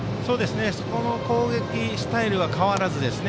その攻撃スタイルは変わらずですね。